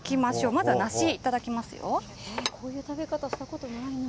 まずは梨、いただきますよ。